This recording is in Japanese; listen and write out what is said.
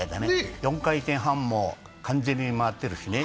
４回転半も完全に回ってるしね。